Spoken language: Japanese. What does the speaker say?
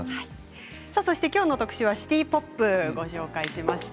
今日の特集はシティ・ポップをご紹介しました。